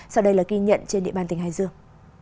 sau đây là ghi nhận trên địa bàn tỉnh hải dương